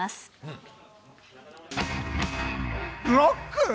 ロック？